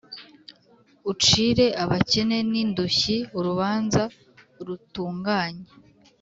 ucire abakene n’indushyi urubanza rutunganye”